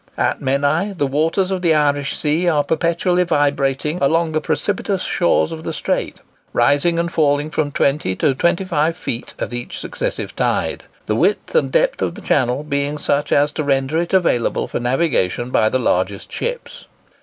At Menai the waters of the Irish Sea are perpetually vibrating along the precipitous shores of the strait; rising and falling from 20 to 25 feet at each successive tide; the width and depth of the channel being such as to render it available for navigation by the largest ships.